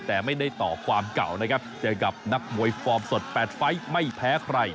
แต่ไม่ได้ต่อความเก่านะครับเจอกับนักมวยฟอร์มสด๘ไฟล์ไม่แพ้ใคร